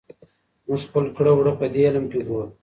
موږ خپل کړه وړه پدې علم کې ګورو.